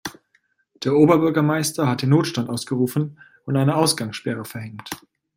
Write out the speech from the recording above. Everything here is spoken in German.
Der Oberbürgermeister hat den Notstand ausgerufen und eine Ausgangssperre verhängt.